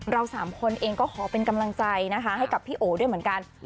สามคนเองก็ขอเป็นกำลังใจนะคะให้กับพี่โอด้วยเหมือนกัน